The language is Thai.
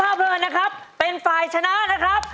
สมิลาภาพลวงนะครับเป็นฝ่ายชนะนะครับ